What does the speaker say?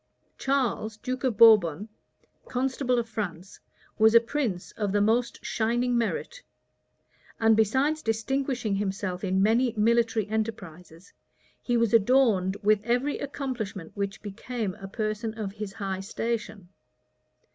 * Guicciard. lib. xiv. Charles, duke of Bourbon, constable of France, was a prince of the most shining merit; and, besides distinguishing himself in many military enterprises, he was adorned with every accomplishment which became a person of his high station.